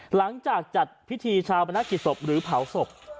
หลังจากจัดพิธีชาวบรรณกิจศพหรือเผาศพ